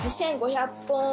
２５００本！？